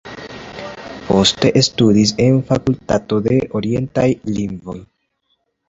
Poste studis en fakultato de orientaj lingvoj.